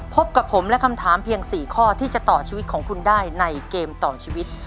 พบกับผมและคำถามเพียง๔ข้อที่จะต่อชีวิตของคุณได้ในเกมต่อชีวิต